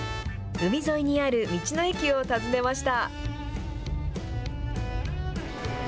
海沿いにある道の駅を訪ねました。